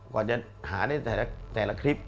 กว่าจะหาได้แต่ละคลิป